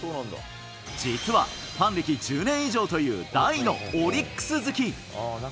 実は、ファン歴１０年以上という大のオリックス好き。